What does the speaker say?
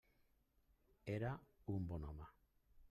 Era un bon home.